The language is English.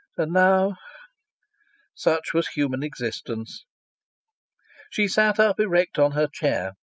And now ... Such was human existence! She sat up erect on her chair.